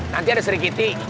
nanti ada seri giti